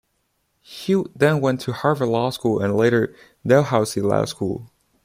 He then went to Harvard Law School and later Dalhousie Law School.